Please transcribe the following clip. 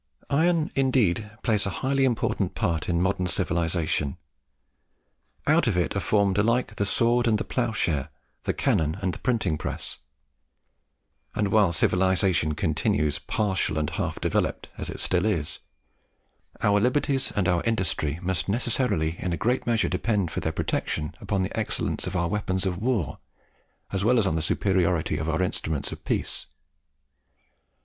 Iron indeed plays a highly important part in modern civilization. Out of it are formed alike the sword and the ploughshare, the cannon and the printing press; and while civilization continues partial and half developed, as it still is, our liberties and our industry must necessarily in a great measure depend for their protection upon the excellence of our weapons of war as well as on the superiority of our instruments of peace.